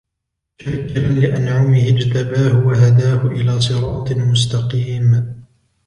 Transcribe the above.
شَاكِرًا لِأَنْعُمِهِ اجْتَبَاهُ وَهَدَاهُ إِلَى صِرَاطٍ مُسْتَقِيمٍ